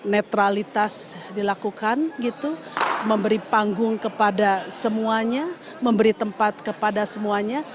netralitas dilakukan gitu memberi panggung kepada semuanya memberi tempat kepada semuanya